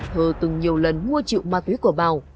thơ từng nhiều lần mua triệu ma túy của bảo